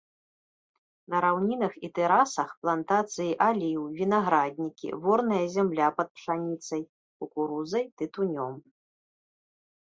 На раўнінах і тэрасах плантацыі аліў, вінаграднікі, ворная зямля пад пшаніцай, кукурузай, тытунём.